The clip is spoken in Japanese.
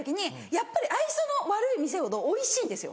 やっぱり愛想の悪い店ほどおいしいんですよ。